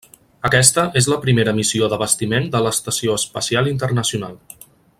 Aquesta és la primera missió d'abastiment de l'Estació Espacial Internacional.